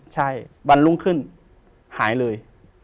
ใช่วันรุ่งขึ้นหายเลย